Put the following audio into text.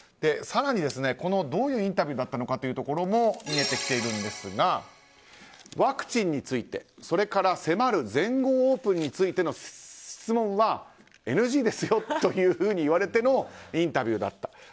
更にどういうインタビューだったのかも見えてきているんですがワクチンについてそれから、迫る全豪オープンについての質問はＮＧですよというふうに言われてのインタビューだった。